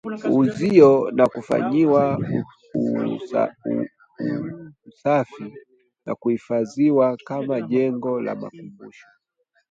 uzio na kufanyiwa usafi na kuhifadhiwa kama jengo la makumbusho